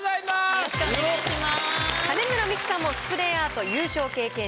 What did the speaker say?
よろしくお願いします。